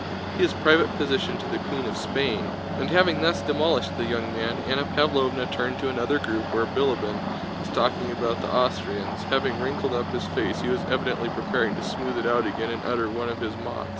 He is private physician to the Queen of Spain." And having thus demolished the young man, Anna Pávlovna turned to another group where Bilíbin was talking about the Austrians: having wrinkled up his face he was evidently preparing to smooth it out again and utter one of his mots.